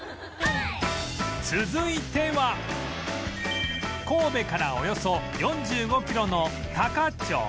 続いては神戸からおよそ４５キロの多可町